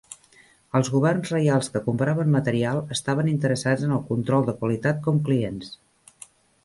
Els governs reials que compraven material estaven interessats en el control de qualitat com clients.